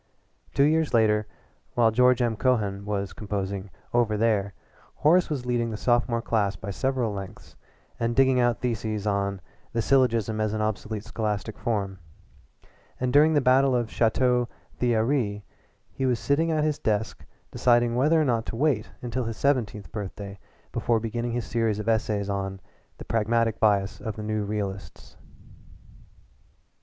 Two years later while George M. Cohan was composing "Over There," Horace was leading the sophomore class by several lengths and digging out theses on "The Syllogism as an Obsolete Scholastic Form," and during the battle of Château Thierry he was sitting at his desk deciding whether or not to wait until his seventeenth birthday before beginning his series of essays on "The Pragmatic Bias of the New Realists."